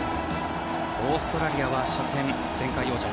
オーストラリアは初戦前回王者